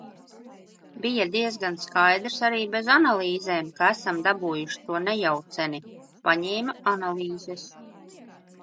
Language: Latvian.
Bija diezgan skaidrs, arī bez analīzēm, ka esam dabūjuši to nejauceni. Paņēma analīzes.